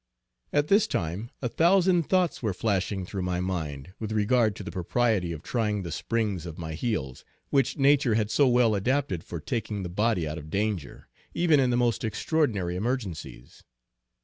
At this time a thousand thoughts were flashing through my mind with regard to the propriety of trying the springs of my heels, which nature had so well adapted for taking the body out of danger, even in the most extraordinary emergencies.